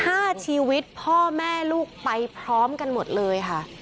ห้าชีวิตพ่อแม่ลูกไปพร้อมกันหมดเลยค่ะ